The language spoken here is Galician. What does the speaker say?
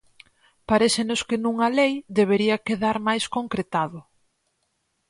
Parécenos que nunha lei debería quedar máis concretado.